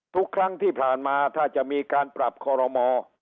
ทุกครั้งที่ผ่านมาถ้าจะมีการปรับคอรมอ